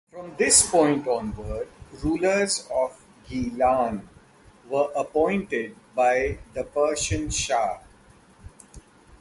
From this point onward, rulers of Gilan were appointed by the Persian Shah.